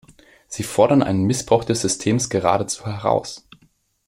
Sie forden einen Missbrauch des Systems geradezu heraus.